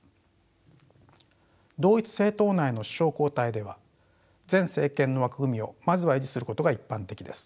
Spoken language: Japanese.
同一政党内の首相交代では前政権の枠組みをまずは維持することが一般的です。